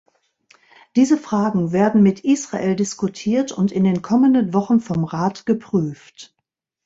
Diese Fragen werden mit Israel diskutiert und in den kommenden Wochen vom Rat geprüft.